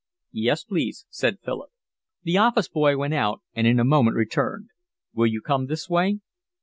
"Yes, please," said Philip. The office boy went out and in a moment returned. "Will you come this way?"